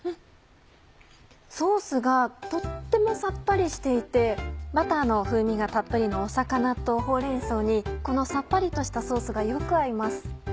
ソースがとってもさっぱりしていてバターの風味がたっぷりの魚とほうれん草にこのさっぱりとしたソースがよく合います。